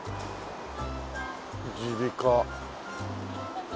「耳鼻科」